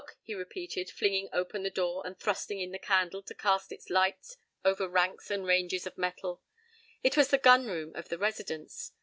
he repeated, flinging open a door and thrusting in the candle to cast its light over ranks and ranges of metal. It was the gun room of the Residence.